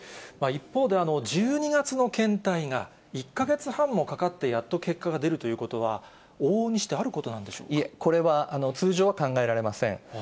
一方で、１２月の検体が、１か月半もかかって、やっと結果が出るということは、往々にしてあることなんでしょういえ、これは通常は考えられません。